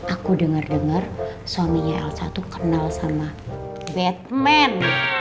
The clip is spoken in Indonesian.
aku dengar dengar suaminya elsa tuh kenal sama vietman